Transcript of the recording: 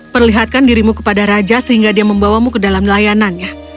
perlihatkan dirimu kepada raja sehingga dia membawamu ke dalam layanannya